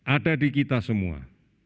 ada di kita semua